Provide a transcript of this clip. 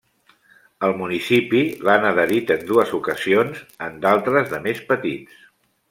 El municipi l'han adherit en dues ocasions en d'altres de més petits.